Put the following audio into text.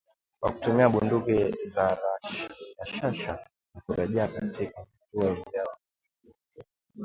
kwa kutumia bunduki za rashasha na kurejea katika vituo vyao bila kuumia